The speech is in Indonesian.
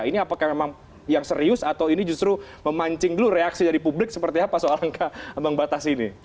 ini apakah memang yang serius atau ini justru memancing dulu reaksi dari publik seperti apa soal angka ambang batas ini